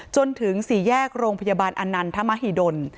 จนถึงสี่แยกโรงพยาบาลอนันทมหิดล